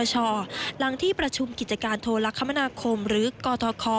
หลังที่ประชุมกิจการโทรคมนาคมหรือกทค